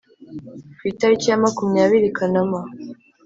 ku itariki ya makumyabiri kanama